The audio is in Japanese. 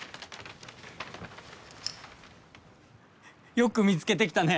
よく見つけてきたね！